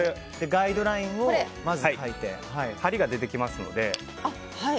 ガイドラインをまず描いて針が出てきますので。